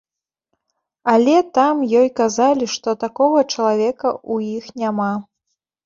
Але там ёй казалі, што такога чалавека ў іх няма.